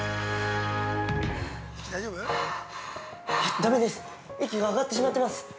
◆ダメです息が上がってしまってます！